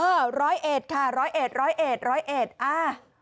เอ่อ๑๐๐เอ็ดค่ะ๑๐๐เอ็ด๑๐๐เอ็ด๑๐๐เอ็ดอ่า